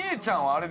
あれ？